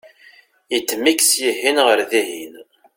yeddem-ik syihen ɣer dihin